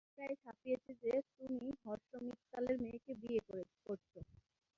এটায় ছাপিয়েছে যে তুমি, হর্ষ মিত্তালের মেয়েকে বিয়ে করছো।